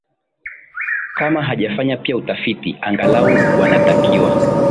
kama hajafanya pia utafiti angalau wanatakiwa